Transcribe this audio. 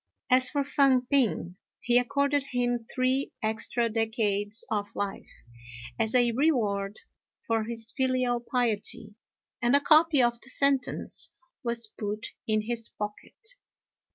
As for Fang p'ing, he accorded him three extra decades of life, as a reward for his filial piety, and a copy of the sentence was put in his pocket.